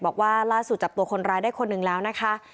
บอกว่าล่าสุดจับตัวคนร้ายได้คนหนึ่งแล้วนะคะ